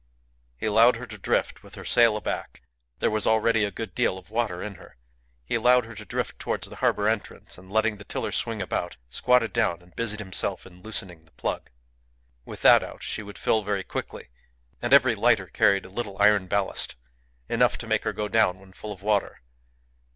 He allowed her to drift with her sail aback. There was already a good deal of water in her. He allowed her to drift towards the harbour entrance, and, letting the tiller swing about, squatted down and busied himself in loosening the plug. With that out she would fill very quickly, and every lighter carried a little iron ballast enough to make her go down when full of water.